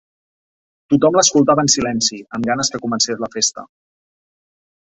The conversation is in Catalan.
Tothom l'escoltava en silenci, amb ganes que comencés la festa.